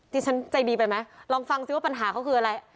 ที่ฉันใจดีไปไหมลองฟังสิว่าปัญหาเขาคืออะไร